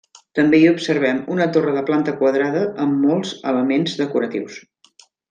També hi observem una torre de planta quadrada amb molts elements decoratius.